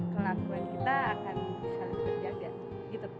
kelakuan kita akan saling terjaga gitu